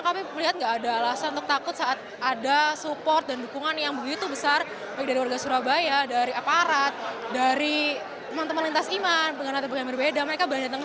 kalau ternyata indonesia masih ingin bersatu